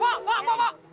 pak pak pak pak